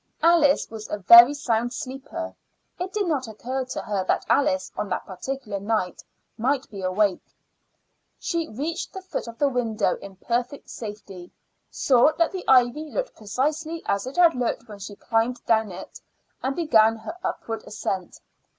Alice was a very sound sleeper; it did not occur to her that Alice on that particular night might be awake. She reached the foot of the window in perfect safety, saw that the ivy looked precisely as it had looked when she climbed down it, and began her upward ascent.